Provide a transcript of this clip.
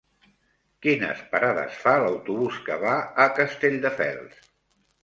Quines parades fa l'autobús que va a Castelldefels?